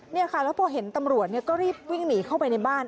นี่ค่ะแล้วพอเห็นตำรวจก็รีบวิ่งหนีเข้าไปในบ้าน